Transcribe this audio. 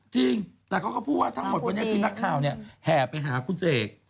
จริงแต่เขาก็พูดว่าทั้งหมดวันนี้คือนักข่าวเนี่ยแห่ไปหาคุณเสก